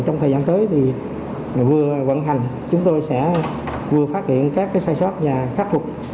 trong thời gian tới thì vừa vận hành chúng tôi sẽ vừa phát hiện các sai sót và khắc phục